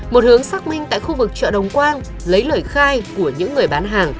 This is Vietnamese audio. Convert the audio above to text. một hướng xác minh tại khu vực chợ đồng quang lấy lời khai của những người bán hàng